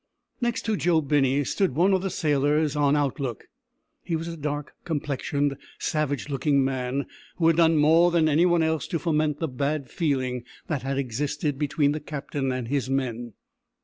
Near to Joe Binney stood one of the sailors on outlook. He was a dark complexioned, savage looking man, who had done more than any one else to foment the bad feeling that had existed between the captain and his men.